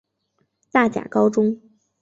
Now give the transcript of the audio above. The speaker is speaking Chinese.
大甲高中